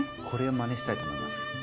これはまねしたいと思います！